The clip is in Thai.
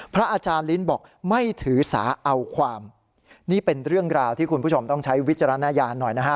พระอาจารย์ลิ้นบอกไม่ถือสาเอาความนี่เป็นเรื่องราวที่คุณผู้ชมต้องใช้วิจารณญาณหน่อยนะฮะ